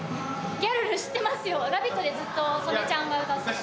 ギャルル知ってますよ、「ラヴィット！」で曽根ちゃんがずっと歌ってたから。